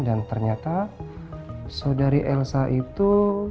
dan ternyata saudari elsa itu